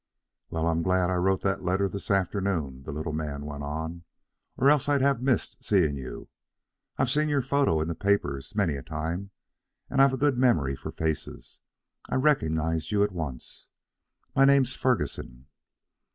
"Well, I'm glad I wrote that letter this afternoon," the little man went on, "or else I'd have missed seeing you. I've seen your photo in the papers many a time, and I've a good memory for faces. I recognized you at once. My name's Ferguson."